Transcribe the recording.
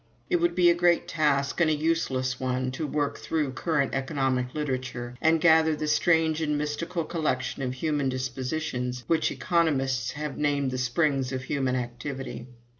"It would be a great task and a useless one to work through current economic literature and gather the strange and mystical collection of human dispositions which economists have named the springs of human activity.